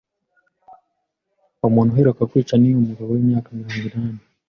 umuntu iheruka kwica ni umugabo w'imyaka mirongo inani